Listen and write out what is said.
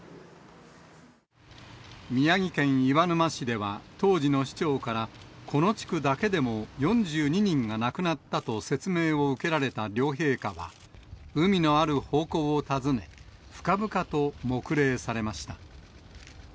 宮城県岩沼市では、当時の市長から、この地区だけでも４２人が亡くなったと説明を受けられた両陛下は、海のある方向を尋ね、深々と黙礼されました。